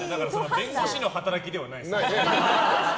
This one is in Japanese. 弁護士の働きではないですよね。